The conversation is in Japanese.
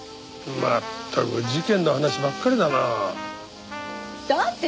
まったく事件の話ばっかりだな。